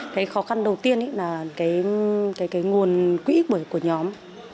cái khó khăn đầu tiên là nguồn quỹ của nhóm